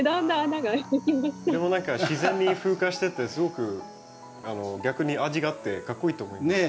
何か自然に風化しててすごく逆に味があってかっこいいと思います。